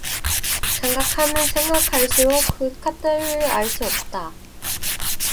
생각하면 생각할수록 그 까닭을 알수 없다.